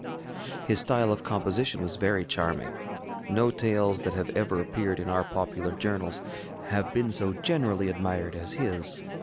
His style of composition was very charming. No tales that have ever appeared in our popular journals have been so generally admired as his.